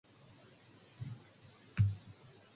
The squadron was disbanded again the following year.